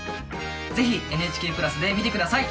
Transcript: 是非「ＮＨＫプラス」で見て下さい！